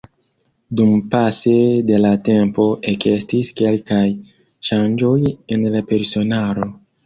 Dumpase de la tempo ekestis kelkaj ŝanĝoj en la personaro.